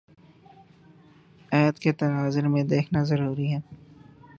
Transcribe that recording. عہد کے تناظر میں دیکھنا ضروری ہے